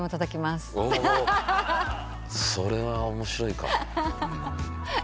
それは面白いかも。